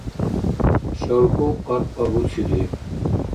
Шалкӏу къаркъа буцили…